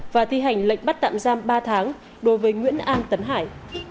và thi hành lệnh bắt tạm giam ba tháng đối với nguyễn an tấn hải